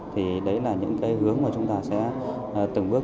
thì đấy là những cái hướng mà chúng ta sẽ từng bước